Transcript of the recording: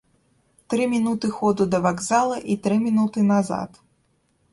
Тры мінуты ходу да вакзала і тры мінуты назад.